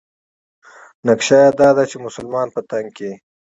نقشه یې دا ده چې مسلمانان په تنګ کړي.